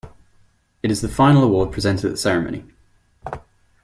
It is the final award presented at the ceremony.